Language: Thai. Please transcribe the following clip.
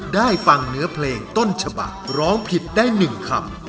ได้ฟังเนื้อเพลงต้นฉบักร้องผิดได้๑คำ